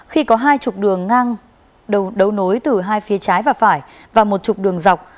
khi có hai chục đường ngang đấu nối từ hai phía trái và phải và một trục đường dọc